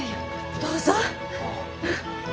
どうぞ。